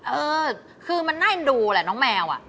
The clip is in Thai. เออคือมันน่าเอ็นดูแหละน้องแมว